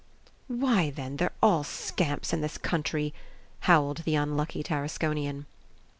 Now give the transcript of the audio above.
"Why, then, they're all scamps in this country!" howled the unlucky Tarasconian.